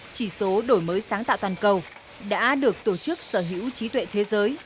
chỉ số đổi mới sáng tạo toàn cầu đã được tổ chức sở hữu trí tuệ thế giới